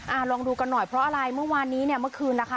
ลองดูกันหน่อยเพราะอะไรเมื่อวานนี้เนี่ยเมื่อคืนนะคะ